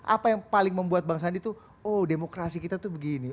apa yang paling membuat bang sandi tuh oh demokrasi kita tuh begini